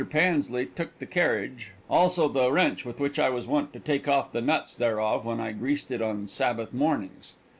Pansley took the carriage, also the wrench with which I was wont to take off the nuts thereof when I greased it on Sabbath mornings.